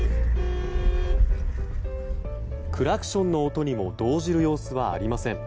クラクションの音にも動じる様子はありません。